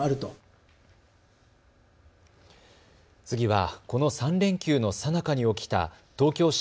次はこの３連休のさなかに起きた東京